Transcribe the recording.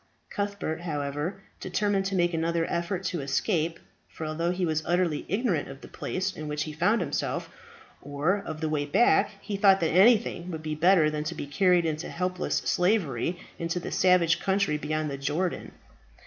Cuthbert, however, determined to make another effort to escape; for although he was utterly ignorant of the place in which he found himself, or of the way back, he thought that anything would be better than to be carried into helpless slavery into the savage country beyond the Jordan.